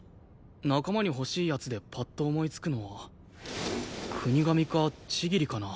仲間に欲しい奴でパッと思いつくのは國神か千切かな。